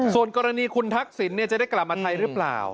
ส่วนกรณีคุณทักษิณจะได้กลับมาไทยหรือเปล่า